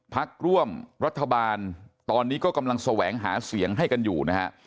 พักร่วมรัฐบาลตอนนี้ก็กำลังแสวงหาเสียงให้กันอยู่นะฮะ